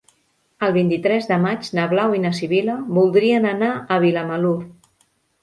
El vint-i-tres de maig na Blau i na Sibil·la voldrien anar a Vilamalur.